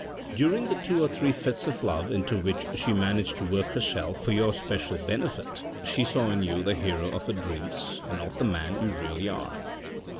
During the two or three fits of love into which she managed to work herself for your especial benefit, she saw in you the hero of her dreams, and not the man you really are.